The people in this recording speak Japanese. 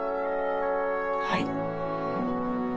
はい。